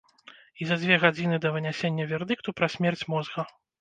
І за дзве гадзіны да вынясення вердыкту пра смерць мозга.